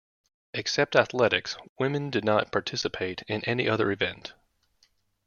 Except athletics, women did not participate in any other event.